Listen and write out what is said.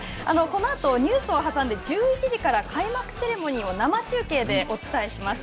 このあと、ニュースを挟んで１１時から開幕セレモニーを生中継でお伝えします。